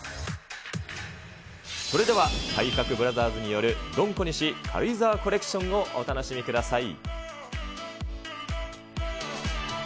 それでは、体格ブラザーズによるドン小西軽井沢コレクションをお楽しみください。